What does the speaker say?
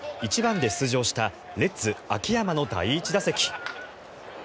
１番で出場したレッズ、秋山の第１打席。